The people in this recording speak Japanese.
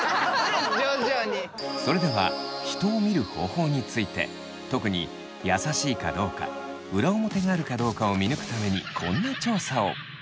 それでは人を見る方法について特に優しいかどうか裏表があるかどうかを見抜くためにこんな調査を。